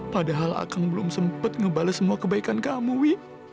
padahal akang belum sempet ngebales semua kebaikan kamu wi